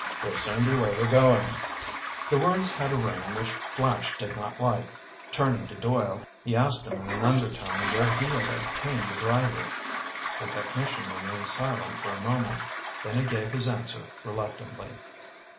"We'll soon be where we're going." The words had a ring which Flash did not like. Turning to Doyle he asked him in an undertone where he had obtained the driver. The technician remained silent for a moment. Then he gave his answer reluctantly.